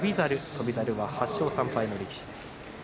翔猿は８勝３敗の力士です。